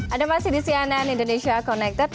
anda masih di cnn indonesia connected